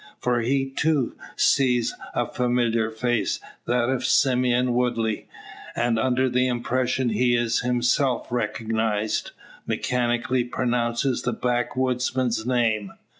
For he, too, sees a familiar face, that of Simeon Woodley; and under the impression he is himself recognised, mechanically pronounces the backwoodsman's name.